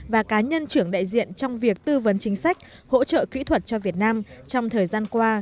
và cá nhân trưởng đại diện trong việc tư vấn chính sách hỗ trợ kỹ thuật cho việt nam trong thời gian qua